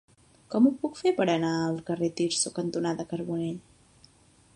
Com ho puc fer per anar al carrer Tirso cantonada Carbonell?